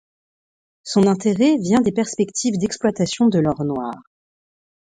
Son intérêt vient des perspectives d'exploitation de l'or noir.